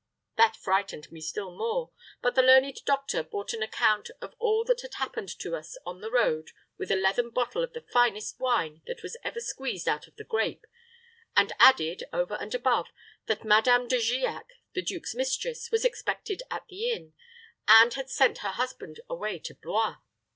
That frightened me still more; but the learned doctor bought an account of all that had happened to us on the road with a leathern bottle of the finest wine that was ever squeezed out of the grape, and added over and above, that Madame de Giac, the duke's mistress, was expected at the inn, and had sent her husband away to Blois.